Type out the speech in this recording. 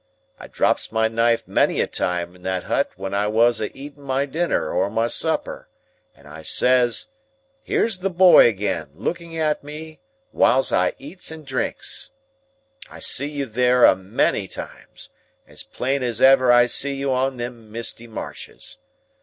I drops my knife many a time in that hut when I was a eating my dinner or my supper, and I says, 'Here's the boy again, a looking at me whiles I eats and drinks!' I see you there a many times, as plain as ever I see you on them misty marshes.